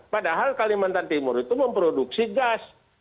padahal kalimantan timur itu memproduksi gas